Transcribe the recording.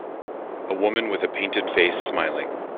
A woman with a painted face smiling.